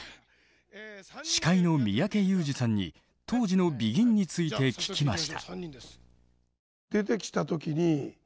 司会の三宅裕司さんに当時のＢＥＧＩＮについて聞きました。